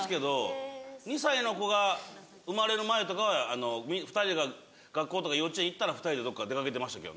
２歳の子が生まれる前とかは２人が学校とか幼稚園行ったら２人でどっか出掛けてましたけど。